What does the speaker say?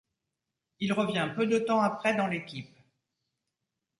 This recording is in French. Il revient peu de temps après dans l'équipe.